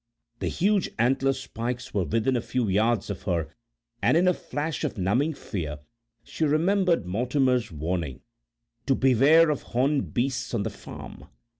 The huge antler spikes were within a few yards of her, and in a flash of numbing fear she remembered Mortimer's warning, to beware of horned beasts on the farm.